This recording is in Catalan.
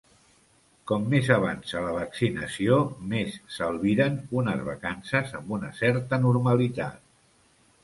Com més avança la vaccinació, més s’albiren unes vacances amb una certa normalitat.